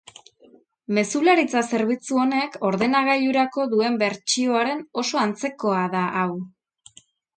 Mezularitza zerbitzu honek ordenagailurako duen bertsioaren oso antzekoa da hau.